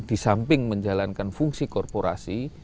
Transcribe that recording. di samping menjalankan fungsi korporasi